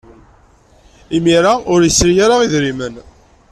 Imir-a, ur yesri ara idrimen.